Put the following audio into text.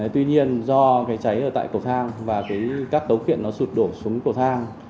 tuy nhiên do cái cháy ở tại cầu thang và cái các tấu khiện nó sụt đổ xuống cầu thang